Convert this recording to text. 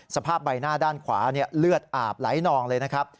สภาพใบหน้าด้านขวาเลือดอาบไหลนองเลยนะครับ